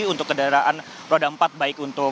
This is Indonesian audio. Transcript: untuk kendaraan roda empat